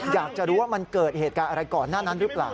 อยากจะรู้ว่ามันเกิดเหตุการณ์อะไรก่อนหน้านั้นหรือเปล่า